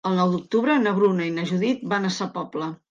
El nou d'octubre na Bruna i na Judit van a Sa Pobla.